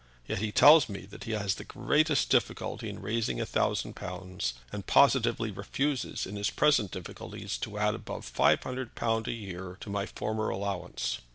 Yet he tells me that he has the greatest difficulty in raising a thousand pounds, and positively refuses in his present difficulties to add above five hundred a year to my former allowance.